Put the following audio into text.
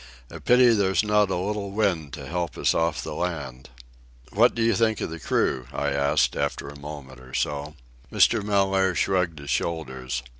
"A pity there's not a little wind to help us off the land." "What do you think of the crew?" I asked, after a moment or so. Mr. Mellaire shrugged his shoulders.